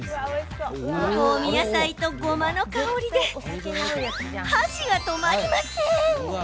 香味野菜と、ごまの香りで箸が止まりません！